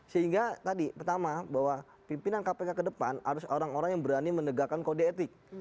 sehingga tadi pertama bahwa pimpinan kpk ke depan harus orang orang yang berani menegakkan kode etik